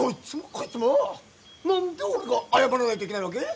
何で俺が謝らないといけないわけ？